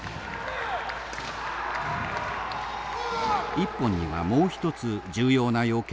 一本にはもう一つ重要な要件があります。